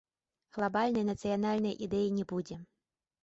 Глабальнай нацыянальнай ідэі не будзе.